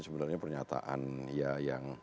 sebenarnya pernyataan ya yang